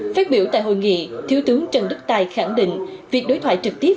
phát biểu tại hội nghị thiếu tướng trần đức tài khẳng định việc đối thoại trực tiếp